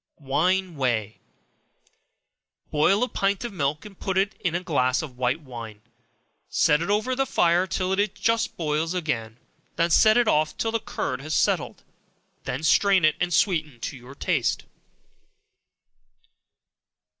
Wine Whey. Boil a pint of milk, and put to it a glass of white wine; set it over the fire till it just boils again, then set it off till the curd has settled, when strain it, and sweeten to your taste.